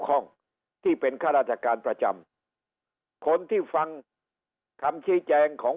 ข้องที่เป็นข้าราชการประจำคนที่ฟังคำชี้แจงของ